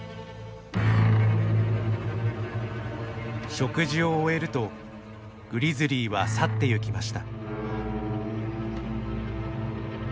食事を終えるとグリズリーは去ってゆきました。